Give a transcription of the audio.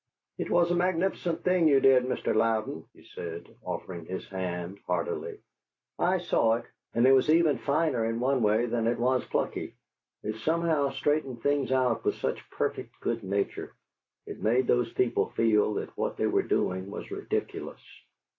"It was a magnificent thing you did, Mr. Louden," he said, offering his hand heartily; "I saw it, and it was even finer in one way than it was plucky. It somehow straightened things out with such perfect good nature; it made those people feel that what they were doing was ridiculous."